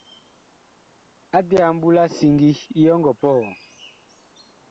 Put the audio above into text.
Ate a mbu la siŋgi, yee ɔ ngɔ pɔhɔɔ ?